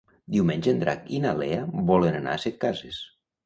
Diumenge en Drac i na Lea volen anar a Setcases.